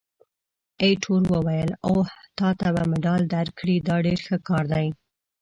ایټور وویل: اوه، تا ته به مډال درکړي! دا ډېر ښه کار دی.